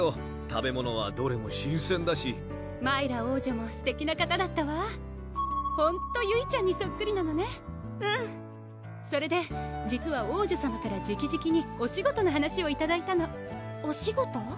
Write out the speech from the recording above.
食べ物はどれも新鮮だしマイラ王女もすてきな方だったわほんとゆいちゃんにそっくりなのねうんそれで実は王女さまからじきじきにお仕事の話をいただいたのお仕事？